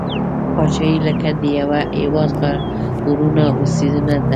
پاچهي لکه د یوه هیواد غرونه او سیندونه ده.